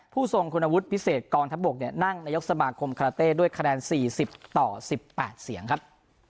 ทรงคุณวุฒิพิเศษกองทัพบกนั่งนายกสมาคมคาราเต้ด้วยคะแนน๔๐ต่อ๑๘เสียงครับ